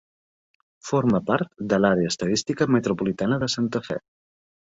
Forma part de l'Àrea Estadística Metropolitana de Santa Fe.